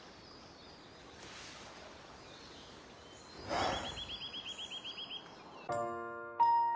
はあ。